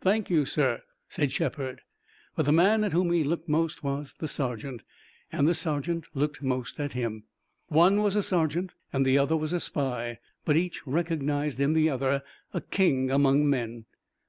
"Thank you, sir," said Shepard. But the man at whom he looked most was the sergeant, and the sergeant looked most at him. One was a sergeant and the other was a spy, but each recognized in the other a king among men.